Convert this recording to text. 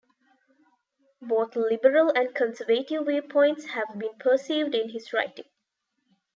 Both liberal and conservative viewpoints have been perceived in his writing.